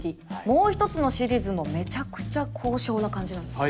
もう一つのシリーズもめちゃくちゃ高尚な感じなんです。